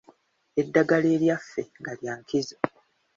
Eddagala eryaffe nga lya nkizo.